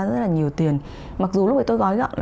rất là nhiều tiền mặc dù lúc ấy tôi gói gọn